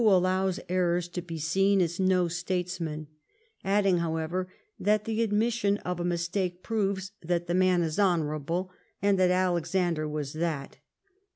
155 allows errors to be seen is no statesman ;" adding, how ever, that the admission of a mistake proves that the man is honourable, and that Alexander was that.